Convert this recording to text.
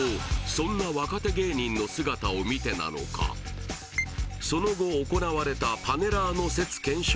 そんな若手芸人の姿を見てなのかその後行われたパネラーの説検証